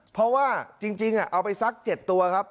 เพราะว่าจริงเอาไปสัก๗ตัวครับ